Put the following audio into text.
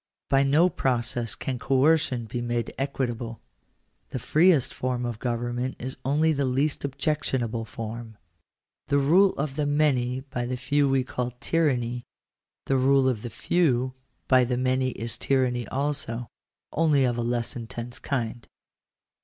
By no process can coercion be made equitable. The freest form of government is only the least objectionable form. The rule of the many by the few we call tyranny : the rule of the few by the many is tyranny also ; only of a less intense kind.